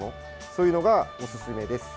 そういうのがおすすめです。